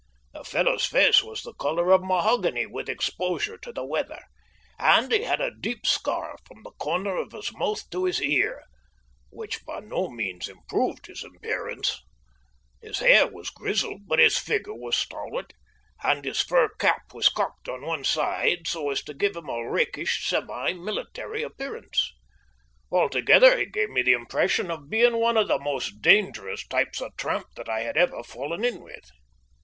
The fellow's face was the colour of mahogany with exposure to the weather, and he had a deep scar from the corner of his mouth to his ear, which by no means improved his appearance. His hair was grizzled, but his figure was stalwart, and his fur cap was cocked on one side so as to give him a rakish, semi military appearance. Altogether he gave me the impression of being one of the most dangerous types of tramp that I had ever fallen in with.